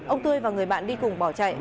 ông tươi và người bạn đi cùng bỏ chạy